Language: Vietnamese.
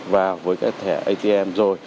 và với cái thẻ atm rồi